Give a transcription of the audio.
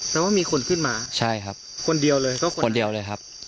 อ๋อแล้วทำไมถึงมาหาอีกอ่ะครับ